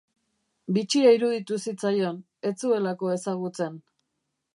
Bitxia iruditu zitzaion, ez zuelako ezagutzen.